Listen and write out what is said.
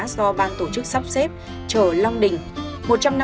do ban tổ chức sắp xếp trở long đình